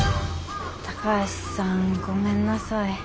高橋さんごめんなさい。